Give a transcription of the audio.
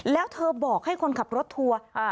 แล้วเธอบอกให้คนขับรถทัวร์